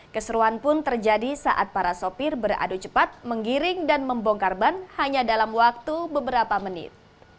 keseruan pun terjadi saat para sopir beradu cepat menggiring dan membongkar ban hanya dalam waktu beberapa menit